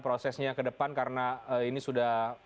prosesnya ke depan karena ini sudah